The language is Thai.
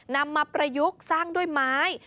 นำมาประยุกต์สร้างด้วยไม้